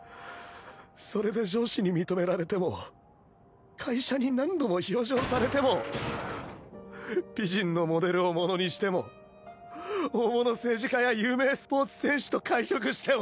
それで上司に認められても会社に何度も表彰されても美人のモデルを物にしても大物政治家や有名スポーツ選手と会食しても。